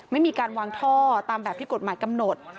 ไม่มีการวางท่อตามแบบที่กฎหมายกำหนด